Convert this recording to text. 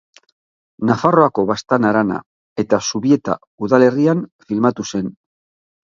Nafarroako Baztan harana eta Zubieta udalerrian filmatu zen.